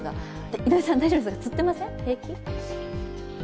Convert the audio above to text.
井上さん、大丈夫ですかつってません？